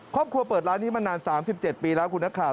เปิดร้านนี้มานาน๓๗ปีแล้วคุณนักข่าว